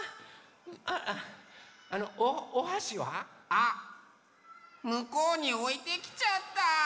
あっむこうにおいてきちゃった！